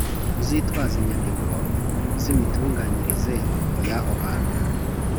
Uzitwaze inyandiko z’imitunganyirize y’aho hantu